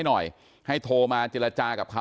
ผมมีโพสต์นึงครับว่า